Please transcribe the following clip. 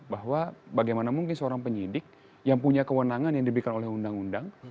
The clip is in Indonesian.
bahwa bagaimana mungkin seorang penyidik yang punya kewenangan yang diberikan oleh undang undang